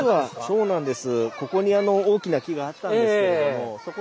そうなんです。